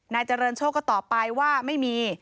เจริญโชคก็ตอบไปว่าไม่มี